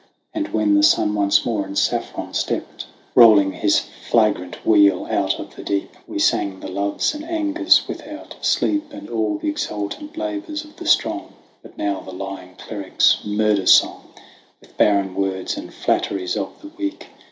But when the sun once more in saffron stept, Rolling his flagrant wheel out of the deep, We sang the loves and angers without sleep, And all the exultant labours of the strong : But now the lying clerics murder song With barren words and flatteries of the weak.